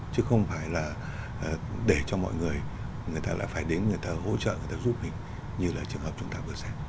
chứ không phải là để cho mọi người người ta lại phải đến người ta hỗ trợ người ta giúp mình như là trường hợp chúng ta vừa xem